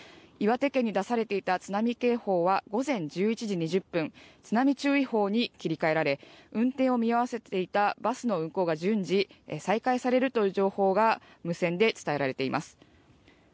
岩手県に出されていた津波警報は午前１１時２０分、津波注意報に切り替えられ運転を見合わせていたバスの運行は順次、再開されるという情報が無線で伝えられています。